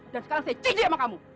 dan sekarang saya cici sama kamu